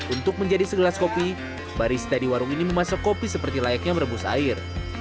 untuk menjadi segelas kopi barista di warung ini memasak kopi seperti layaknya merebus air